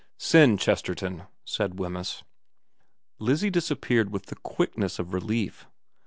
' Send Chesterton,' said Wemyss. Lizzie disappeared with the quickness of relief.